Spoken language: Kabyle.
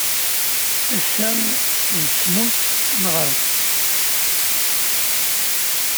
Ass-a d semmus Meɣres.